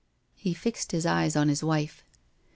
He fixed his eye on his wife.